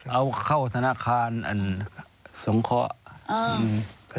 เอาเข้าธนาคารอันสงเคราะห์